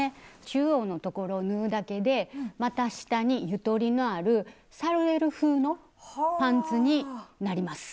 中央の所を縫うだけで股下にゆとりのあるサルエル風のパンツになります。